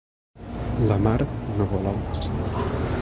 La mar no vol homes.